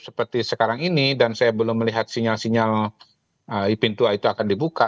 seperti sekarang ini dan saya belum melihat sinyal sinyal pintu akan dibuka